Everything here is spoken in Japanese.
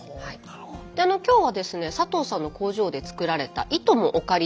今日はですね佐藤さんの工場で作られた糸もお借りしてきました。